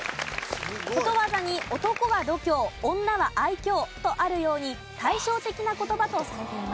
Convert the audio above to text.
ことわざに「男は度胸女は愛嬌」とあるように対照的な言葉とされています。